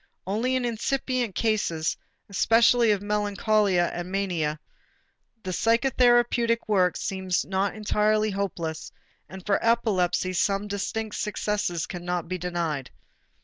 Only in incipient cases, especially of melancholia and mania, the psychotherapeutic work seems not entirely hopeless; and for epilepsy some distinct successes cannot be denied.